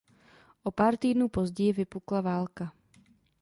O pár týdnů později vypukla válka.